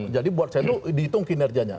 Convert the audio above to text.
jadi buat saya itu dihitung kinerjanya